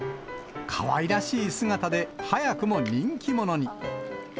かわいらしい姿で、早くも人気者に。